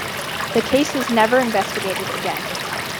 The case was never investigated again.